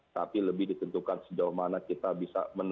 tapi lebih dikentukan sejauh mana kita bisa berkontrol